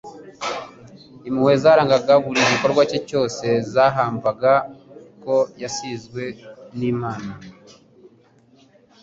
Impuhwe zarangaga buri gikorwa cye cyose zahamvaga ko yasizwe n'Imana.